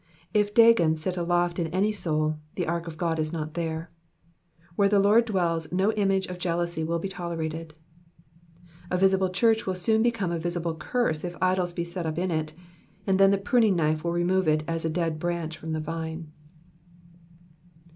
If Dagon sit aloft in any soul, the ark of God is not there. Where the Lord dwells no image of jealousy will be tolerated. A visible church will soon become a visible curse if idols be set up in it, and then the pruning knife will remove it as a dead branch from the vine.